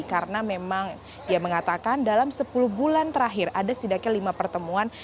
karena memang dia mengatakan dalam sepuluh bulan terakhir ada setidaknya lima pertemuan